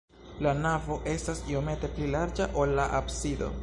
La navo estas iomete pli larĝa, ol la absido.